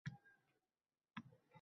£iynalganlarini ko`rsatmaydi akam